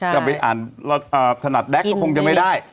จะไปอ่านถนัดแก๊กก็คงจะไม่ได้